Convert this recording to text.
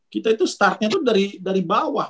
kita itu startnya itu dari bawah